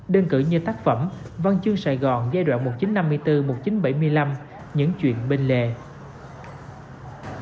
đơn cử như tác phẩm văn chương sài gòn giai đoạn một nghìn chín trăm năm mươi bốn một nghìn chín trăm bảy mươi năm những chuyện bên lề